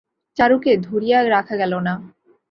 চারুকে ধরিয়া রাখা গেল না।